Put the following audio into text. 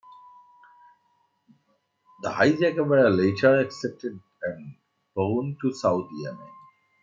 The hijackers were later accepted and flown to South Yemen.